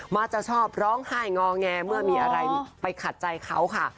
มักจะชอบร้องไห้งอแงเมื่อมีอะไรไปขัดใจเขาค่ะ